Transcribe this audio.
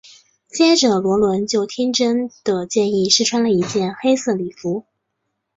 接着萝伦就听珍的建议试穿了一件黑色礼服。